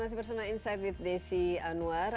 masih bersama insafi desi anwar